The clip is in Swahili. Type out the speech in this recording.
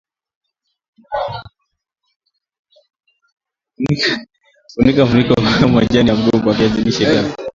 funika kwa mfuniko au majani ya mgomba viazi lishe vyako